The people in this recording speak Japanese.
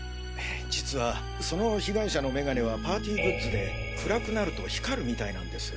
実はその被害者のメガネはパーティーグッズで暗くなると光るみたいなんです。